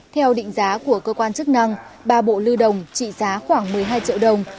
theo định giá của cơ quan chức năng ba bộ lưu đồng trị giá khoảng một mươi hai triệu đồng